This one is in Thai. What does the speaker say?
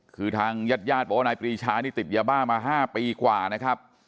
คือทางญาติญาติบอกว่านายปรีชานี่ติดยาบ้ามา๕ปีกว่านะครับ